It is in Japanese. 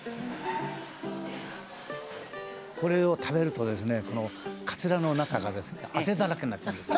「これを食べるとですねかつらの中がですね汗だらけになっちゃうんです」